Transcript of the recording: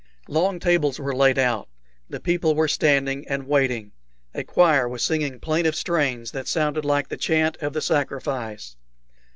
Long tables were laid out. The people were all standing an waiting. A choir was singing plaintive strains that sounded like the chant of the sacrifice.